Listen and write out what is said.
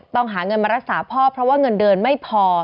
หาเงินมารักษาพ่อเพราะว่าเงินเดือนไม่พอ